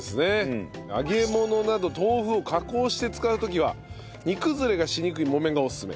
揚げ物など豆腐を加工して使う時は煮崩れがしにくい木綿がおすすめ。